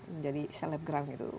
menjadi selebgram gitu